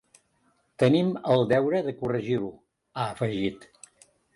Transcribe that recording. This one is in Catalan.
Tenim el deure de corregir-ho, ha afegit.